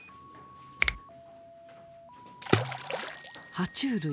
は虫類